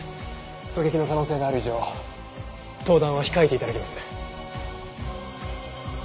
狙撃の可能性がある以上登壇は控えて頂きます。